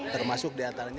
termasuk di antaranya